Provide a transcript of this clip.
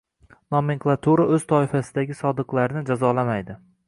Nomenklatura o'z toifasidagi sodiqlarni jazolamaydi